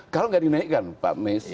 kalau tidak dinaikkan pak mis